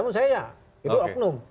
menurut saya ya itu oknum